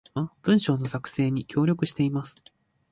文章の作成に協力しています